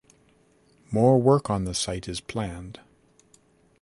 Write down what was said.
More work on the site is planned.